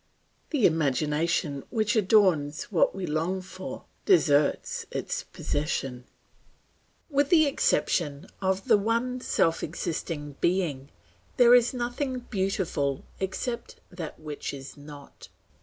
The imagination which adorns what we long for, deserts its possession. With the exception of the one self existing Being, there is nothing beautiful except that which is not.